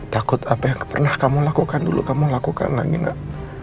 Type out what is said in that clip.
takut apa yang pernah kamu lakukan dulu kamu lakukan lagi nak